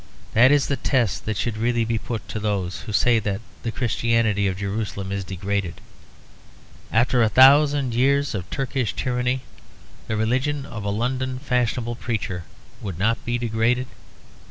That is the test that should really be put to those who say that the Christianity of Jerusalem is degraded. After a thousand years of Turkish tyranny, the religion of a London fashionable preacher would not be degraded.